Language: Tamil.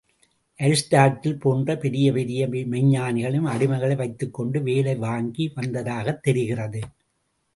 அரிஸ்டாடில் போன்ற பெரிய பெரிய மெய்ஞ்ஞானிகளும் அடிமைகளை வைத்துக்கொண்டு வேலை வாங்கி வந்ததாகத் தெரிகிறது.